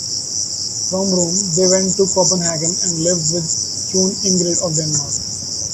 From Rome they went to Copenhagen, and lived with Queen Ingrid of Denmark.